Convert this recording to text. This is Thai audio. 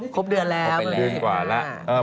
ครบเดือนกว่าแล้ว